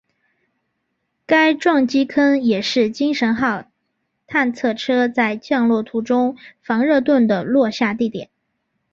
该撞击坑也是精神号探测车在降落途中防热盾的落下地点。